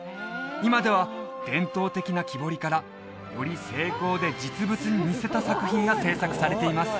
今では伝統的な木彫りからより精巧で実物に似せた作品が制作されています